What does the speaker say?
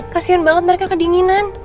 kasian banget mereka kedinginan